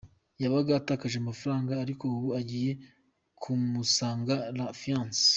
Yabaga atakaje amafaranga ariko ubu agiye kumusanga La Confiance.